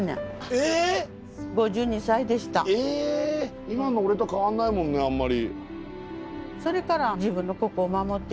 えっ今の俺と変わんないもんねあんまり。